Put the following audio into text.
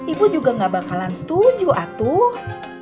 ibu juga gak bakalan setuju atuh